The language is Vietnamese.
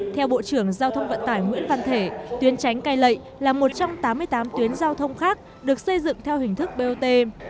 theo bộ trưởng giao thông vận tải nguyễn văn thể tuyến tránh cai lệ là một trong tám mươi tám tuyến giao thông khác được xây dựng theo hình thức bot